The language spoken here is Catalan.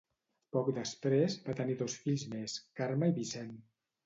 Poc després, va tenir dos fills més, Carme i Vicent.